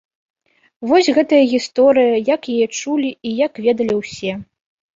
Вось гэтая гісторыя, як яе чулі і як ведалі ўсе.